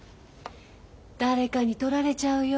誰かに取られちゃうよ。